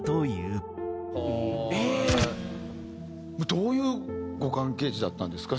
どういうご関係だったんですか？